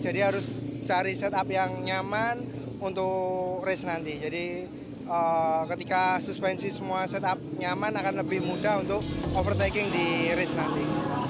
jadi harus cari setup yang nyaman untuk race nanti jadi ketika suspensi semua setup nyaman akan lebih mudah untuk overtaking di race nanti